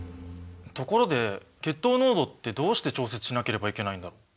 ところで血糖濃度ってどうして調節しなければいけないんだろう？